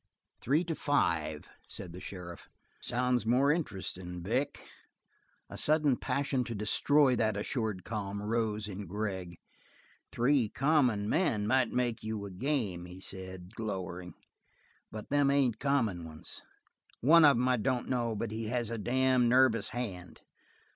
"Three to five," said the sheriff, "sounds more interestin', Vic." A sudden passion to destroy that assured calm rose in Gregg. "Three common men might make you a game," he said, glowering, "but them ain't common ones. One of 'em I don't know, but he has a damned nervous hand.